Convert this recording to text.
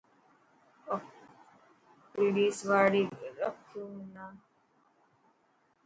پوليس واڙي رڪيو منا.